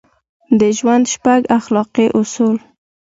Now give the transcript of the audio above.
د ژوند شپږ اخلاقي اصول: